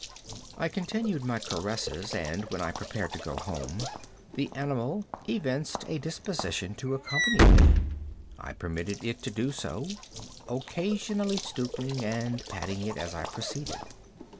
I continued my caresses, and, when I prepared to go home, the animal evinced a disposition to accompany me. I permitted it to do so; occasionally stooping and patting it as I proceeded.